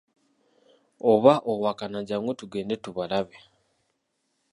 Oba owakana jangu tugende tubalabe.